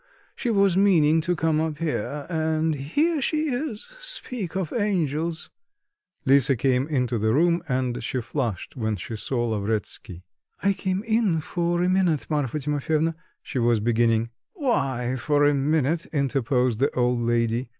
She was meaning to come up here. And here she is: speak of angels " Lisa came into the room, and she flushed when she saw Lavretsky. "I came in for a minute, Marfa Timofyevna," she was beginning. "Why for a minute?" interposed the old lady.